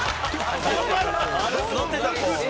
乗ってた子。